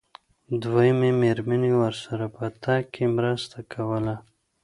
دويمې مېرمنې ورسره په تګ کې مرسته کوله.